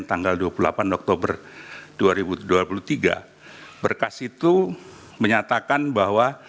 tanggal dua puluh delapan oktober dua ribu dua puluh tiga berkas itu menyatakan bahwa